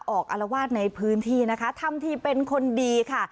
อารวาสในพื้นที่นะคะทำทีเป็นคนดีค่ะ